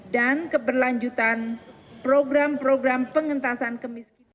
dan keberlanjutan program program pengentasan kemiskinan